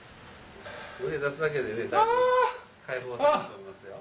腕出すだけでだいぶ解放されると思いますよ。